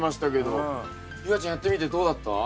夕空ちゃんやってみてどうだった？